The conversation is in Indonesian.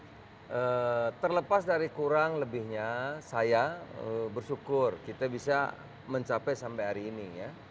kalau menurut pendapat saya desya terlepas dari kurang lebihnya saya bersyukur kita bisa mencapai sampai hari ini